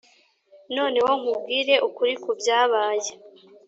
noneho nkubwire ukuri ku byabaye